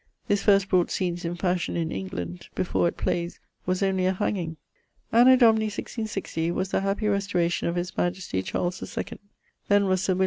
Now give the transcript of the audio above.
This first brought scenes in fashion in England; before, at playes, was only a hanging. Anno Domini 1660 was the happy restauration of his majestie Charles II. Then was Sir Wm.